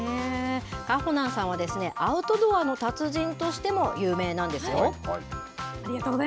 かほなんさんは、アウトドアの達人としても有名なんですよ。